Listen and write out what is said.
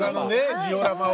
ジオラマを。